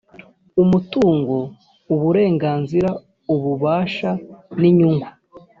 umutungo uburenganzira ububasha n inyungu